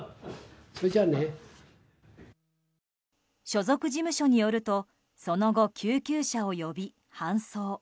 所属事務所によるとその後、救急車を呼び搬送。